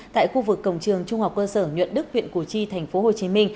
tại khu vực cổng trường trung học cơ sở nhuận đức huyện củ chi tp hcm